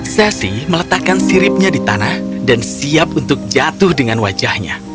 sesi meletakkan siripnya di tanah dan siap untuk jatuh dengan wajahnya